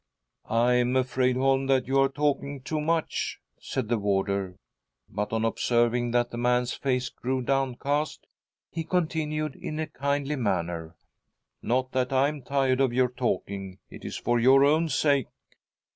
"I am afraid, Holm, that you are talking too much," said the warder, but onr observing that the man's face grew downcast, he continued in a kindly manner :" Not that I am tired of your talking .—it is for your own sake."